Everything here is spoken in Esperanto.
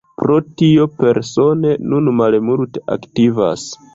Pro tio Persone nun malmulte aktivas.